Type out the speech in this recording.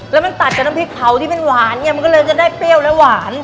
แล้วมันตัดกับน้ำพริกเผาที่มันหวานไงมันก็เลยจะได้เปรี้ยวและหวาน